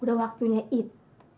udah waktunya eat